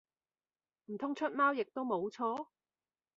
唔通出貓亦都冇錯？